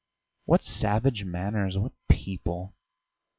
What savage manners, what people!